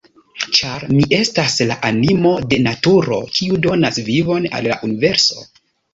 Ĉar Mi estas la animo de naturo, kiu donas vivon al la universo.